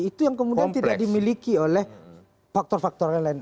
itu yang kemudian tidak dimiliki oleh faktor faktor lain